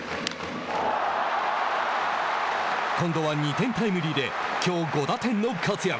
今度は２点タイムリーできょう５打点の活躍。